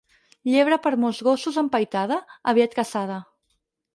Llebre per molts gossos empaitada, aviat caçada.